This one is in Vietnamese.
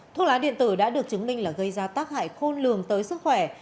thuốc lá điện tử đã được chứng minh là gây ra tác hại khôn lường tới sức khỏe